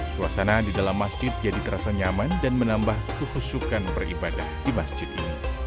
suasana di dalam masjid jadi terasa nyaman dan menambah kehusukan beribadah di masjid ini